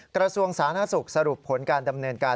กระทรวงสาธารณสุขสรุปผลการดำเนินการ